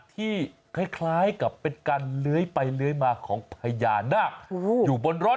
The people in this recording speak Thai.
ที่คล้ายกับเป็นการเลื้อยไปเลื้อยมาของพญานาคอยู่บนรถ